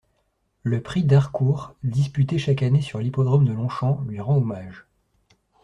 Le Prix d'Harcourt, disputé chaque année sur l'hippodrome de Longchamp, lui rend hommage.